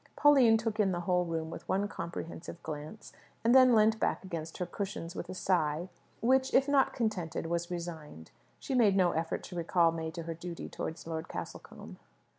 Pauline took in the whole room with one comprehensive glance, and then leant back against her cushions with a sigh, which, if not contented, was resigned. She made no effort to recall May to her duty towards Lord Castlecombe.